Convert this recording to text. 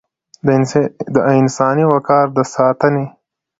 د انساني وقار د ساتنې